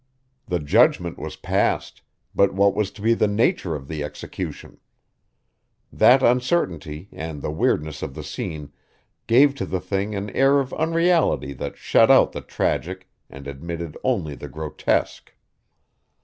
The judgment was passed, but what was to be the nature of the execution? That uncertainty and the weirdness of the scene gave to the thing an air of unreality that shut out the tragic and admitted only the grotesque.